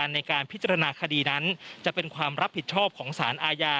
ในการพิจารณาคดีนั้นจะเป็นความรับผิดชอบของสารอาญา